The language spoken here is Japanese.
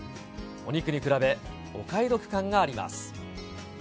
お肉に比べ、お買い得感があります。